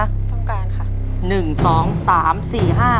ต้องการค่ะ